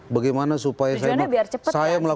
bagaimana supaya saya melakukan percepatan percepatan